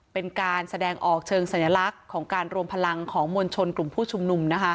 เป็นการแสดงออกเชิงสัญลักษณ์ของการรวมพลังของมวลชนกลุ่มผู้ชุมนุม